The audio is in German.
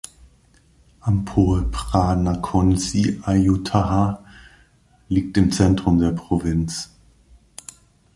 Amphoe Phra Nakhon Si Ayutthaya liegt im Zentrum der Provinz.